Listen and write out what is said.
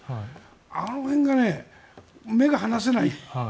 あの辺がね、目が離せない。